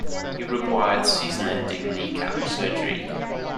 He required season-ending kneecap surgery.